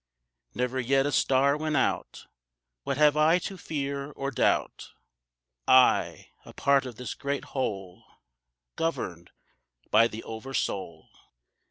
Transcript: Never yet a star went out. What have I to fear or doubt? I, a part of this great whole, Governed by the Over Soul.